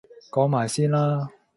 講埋先啦